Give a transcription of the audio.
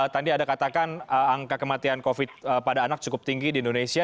tadi ada katakan angka kematian covid pada anak cukup tinggi di indonesia